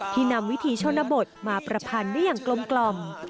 นำวิธีชนบทมาประพันธ์ได้อย่างกลม